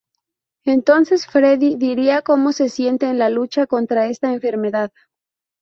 Entonces Freddie diría cómo se siente en la lucha contra esta enfermedad.